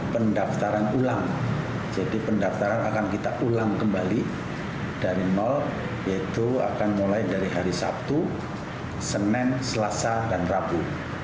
pendaftaran ulang jadi pendaftaran akan kita ulang kembali dari nol yaitu akan mulai dari hari sabtu senin selasa dan rabu